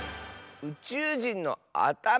うちゅうじんのあたま！